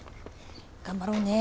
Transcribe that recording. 頑張ろうね。